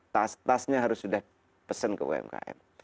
tas tasnya harus sudah pesen ke umkm